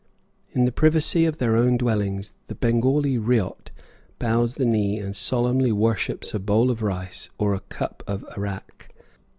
In the privacy of their own dwellings the Bengali ryot bows the knee and solemnly worships a bowl of rice or a cup of arrack.